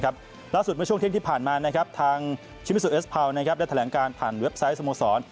ล่าสุดเมื่อช่วงเที่ยงที่ผ่านมาทางชิมิซูเอสพาวได้แถลงการผ่านเว็บไซต์สโมสร